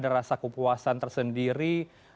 ada rasa kepuasan tersendiri